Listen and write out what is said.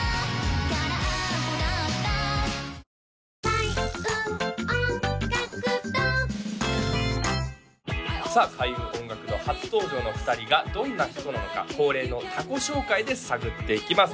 空っぽだったさあ開運音楽堂初登場の２人がどんな人なのか恒例の他己紹介で探っていきます